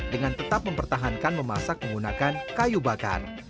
dengan tetap mempertahankan memasak menggunakan kayu bakar